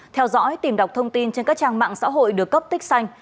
theo dõi tìm đọc thông tin trên các trang mạng xã hội được cấp tích xanh